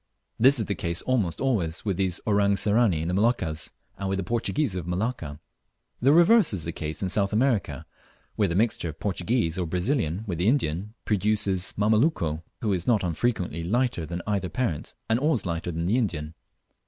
This is the case almost always with these "Orang Sirani" in the Moluccas, and with the Portuguese of Malacca. The reverse is the case in South America, where the mixture of the Portuguese or Brazilian with the Indian produces the "Mameluco," who is not unfrequently lighter than either parent, and always lighter than the Indian.